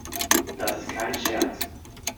Das ist kein Scherz.